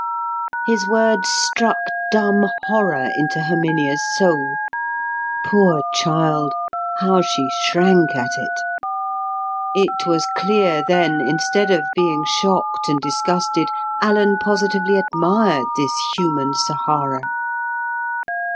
His words struck dumb horror into Herminia's soul. Poor child, how she shrank at it! It was clear, then, instead of being shocked and disgusted, Alan positively admired this human Sahara.